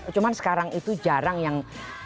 cuma sekarang itu jarang yang